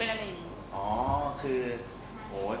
เป็นต้นไม้หรือเป็นอะไร